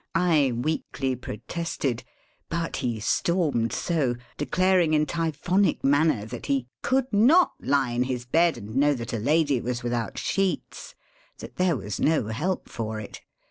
I weakly protested; but he stormed so, declaring in typhoonic manner that he *' could not he in his bed and know that a lady was without sheets," that there was no help for it.